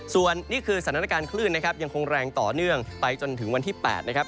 ส่วนนี่คือสถานการณ์คลื่นนะครับยังคงแรงต่อเนื่องไปจนถึงวันที่๘นะครับ